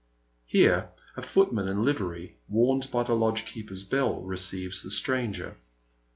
Here a footman in livery, warned by the lodge keeper's bell, receives the stranger.